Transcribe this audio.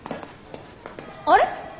あれ？